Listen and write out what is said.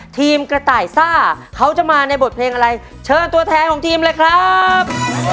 ทีมกระต่ายซ่าเขาจะมาในบทเพลงอะไรเชิญตัวแทนของทีมเลยครับ